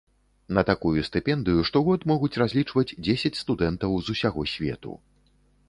На такую стыпендыю штогод могуць разлічваць дзесяць студэнтаў з усяго свету.